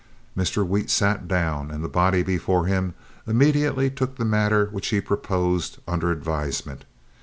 Mr. Wheat sat down, and the body before him immediately took the matter which he proposed under advisement.